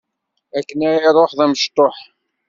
Akken ara iruḥ d amecṭuḥ.